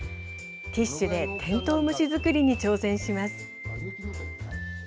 ティッシュでてんとう虫作りに挑戦します。